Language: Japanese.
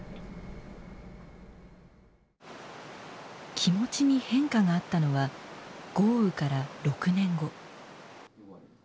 気持ちに変化があったのは豪雨から６年後。